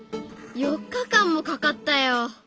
４日間もかかったよ。